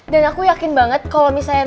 dan aku yakin banget kalo misalnya